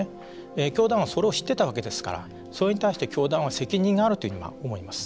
教団はそれを知ってたわけですからそれに対しては教団が責任があるというふうに思います。